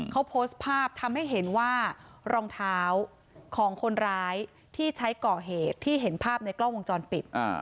เขาโพสต์ภาพทำให้เห็นว่ารองเท้าของคนร้ายที่ใช้ก่อเหตุที่เห็นภาพในกล้องวงจรปิด